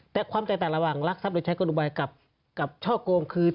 แต่ความแตกต่างระหว่างรักทรัพย์โดยใช้กลุบายกับช่อโกงคือ